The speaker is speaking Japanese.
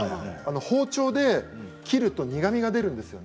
包丁で切ると苦みが出るんです。